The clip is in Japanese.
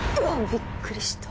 びっくりした。